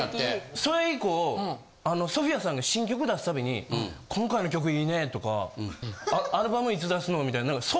それ以降ＳＯＰＨＩＡさんが新曲出すたびに今回の曲いいねとかアルバムいつ出すの？みたいな。